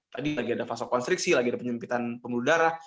tadi lagi ada fase konstriksi lagi ada penyempitan pembuluh darah